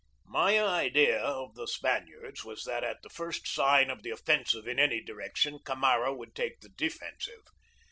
My idea of the Spaniards was that at the first sign of the offensive in any direction Camara would take the defensive.